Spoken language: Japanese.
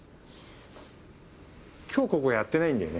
今日ここやってないんだよね？